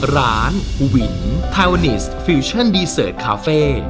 ร้านวินไทยวานีสต์ฟิวชั่นดีเสิร์ตคาเฟ่